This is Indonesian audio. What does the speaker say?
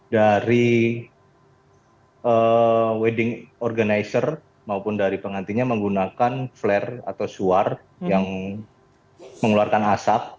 dari wedding organizer maupun dari pengantinnya menggunakan flare atau suar yang mengeluarkan asap